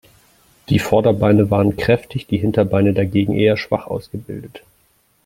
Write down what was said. Die Vorderbeine waren kräftig, die Hinterbeine dagegen eher schwach ausgebildet.